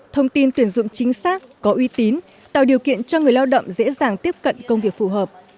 thông tin tuyển dụng chính xác có uy tín tạo điều kiện cho người lao động dễ dàng tiếp cận công việc phù hợp